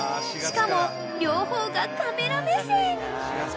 ［しかも両方が］